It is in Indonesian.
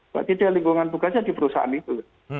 berarti dia lingkungan tugasnya di perusahaan itu